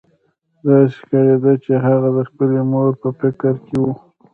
داسې ښکارېده چې هغه د خپلې مور په فکر کې و